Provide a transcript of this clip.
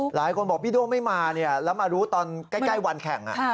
หลายคนบอกพี่โด้ไม่มาแล้วมารู้ตอนใกล้วันแข่ง